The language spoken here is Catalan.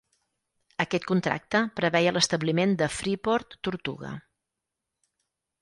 Aquest contracte preveia l'establiment de Freeport Tortuga.